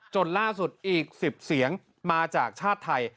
จนล่าสุดอีก๑๐เสียงมาจากชาติไทย